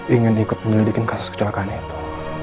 ingin ikut menyelidikin kasus kecelakaan itu